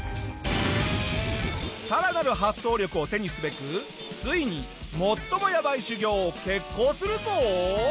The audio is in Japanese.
さらなる発想力を手にすべくついに最もやばい修業を決行するぞ！